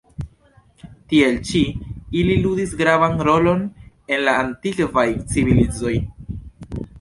Tiel ĉi, ili ludis gravan rolon en la antikvaj civilizoj.